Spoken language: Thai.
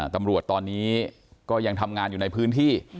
ตำรวจตอนนี้ก็ยังทำงานอยู่ในพื้นที่